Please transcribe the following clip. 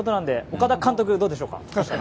岡田監督、どうでしょうか。